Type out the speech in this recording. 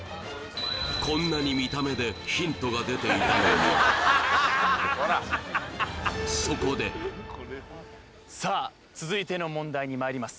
こんなに見た目でヒントが出ていたのにそこでさあ続いての問題にまいります